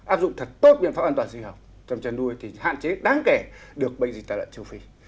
áp dụng thật tốt biện pháp an toàn sinh học trong chăn nuôi thì hạn chế đáng kể được bệnh dịch tả lợn châu phi